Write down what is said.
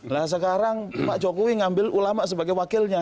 nah sekarang pak jokowi ngambil ulama sebagai wakilnya